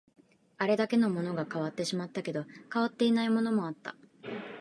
あれだけのものが変わってしまったけど、変わっていないものもあった